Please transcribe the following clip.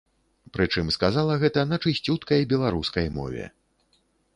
Прычым, сказала гэта на чысцюткай беларускай мове.